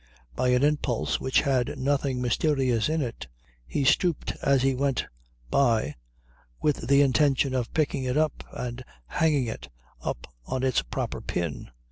By an impulse which had nothing mysterious in it, he stooped as he went by with the intention of picking it up and hanging it up on its proper pin.